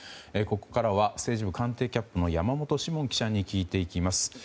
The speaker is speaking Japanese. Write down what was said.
ここからは政治部官邸キャップの山本志門記者に聞いていきます。